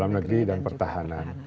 dalam negeri dan pertahanan